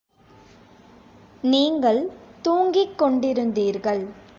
நீங்கள் தூங்கிக் கொண்டிருந்தீர்கள்.